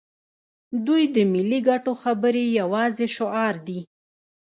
دوی د ملي ګټو خبرې یوازې شعار دي.